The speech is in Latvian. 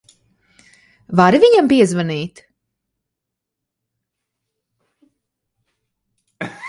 Vari viņam piezvanīt?